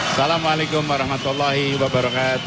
assalamualaikum warahmatullahi wabarakatuh